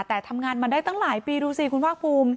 แต่ทำงานมาได้ตั้งหลายปีดูสิคุณภาคภูมิ